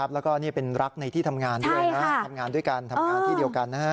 แล้วก็นี่เป็นรักในที่ทำงานด้วยนะทำงานด้วยกันทำงานที่เดียวกัน